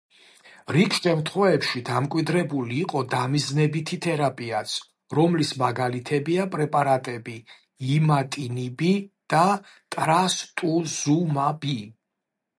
რიგ შემთხვევებში დამკვიდრებული იყო დამიზნებითი თერაპიაც, რომლის მაგალითებია პრეპარატები „იმატინიბი“ და „ტრასტუზუმაბი“.